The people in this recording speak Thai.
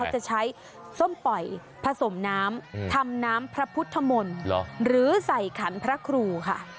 จะใช้ส้มปล่อยผสมน้ำทำน้ำพระพุทธมนต์หรือใส่ขันพระครูค่ะ